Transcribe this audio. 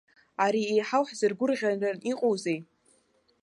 Ари еиҳау ҳзыргәырӷьаран иҟоузеи!